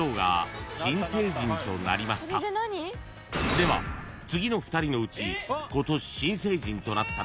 ［では次の２人のうち］